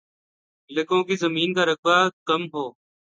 لکوں کی زمین کا رقبہ نہ کم ہو